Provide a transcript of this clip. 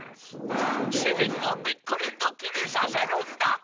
「世間をびっくりドッキリさせるんだ！